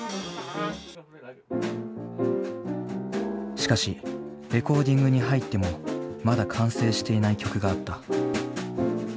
しかしレコーディングに入ってもまだ完成していない曲があった。